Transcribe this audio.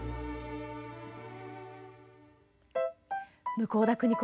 向田邦子